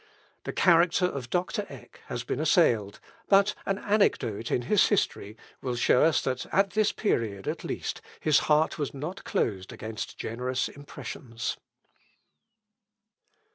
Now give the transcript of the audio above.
The character of Doctor Eck has been assailed, but an anecdote in his history will show that at this period, at least, his heart was not closed against generous impressions.